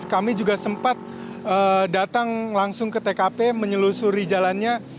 kami juga sempat datang langsung ke tkp menyelusuri jalannya